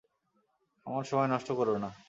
আমাদের সময় নষ্ট কোরো না।